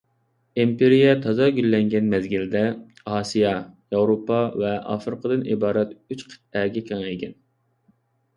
ئىمپېرىيە تازا گۈللەنگەن مەزگىلدە، ئاسىيا، ياۋروپا ۋە ئافرىقىدىن ئىبارەت ئۈچ قىتئەگە كېڭەيگەن.